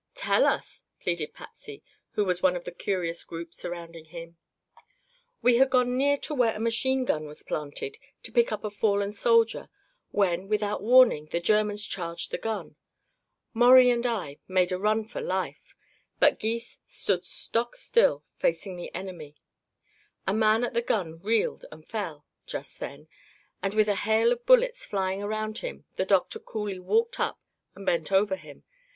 "Tell us," pleaded Patsy, who was one of the curious group surrounding him. "We had gone near to where a machine gun was planted, to pick up a fallen soldier, when without warning the Germans charged the gun. Maurie and I made a run for life, but Gys stood stock still, facing the enemy. A man at the gun reeled and fell, just then, and with a hail of bullets flying around him the doctor coolly walked up and bent over him.